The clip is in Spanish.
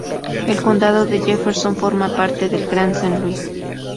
El condado de Jefferson forma parte del Gran San Luis.